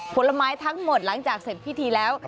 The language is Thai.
ผลไม้ทั้งหมดหลังจากเสร็จพิธีแล้ว